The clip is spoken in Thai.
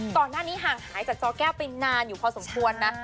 ตอนนั้นห่างหายจากเจ้าแก้วไปนานอยู่พอสมควร